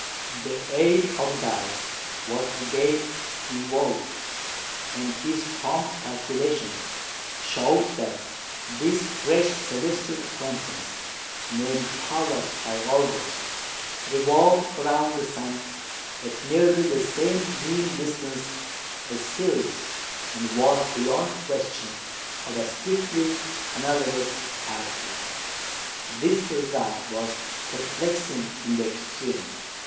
The aid of Gauss was again invoked, and his prompt calculations showed that this fresh celestial acquaintance (named "Pallas" by Olbers), revolved round the sun at nearly the same mean distance as Ceres, and was beyond question of a strictly analogous character. This result was perplexing in the extreme.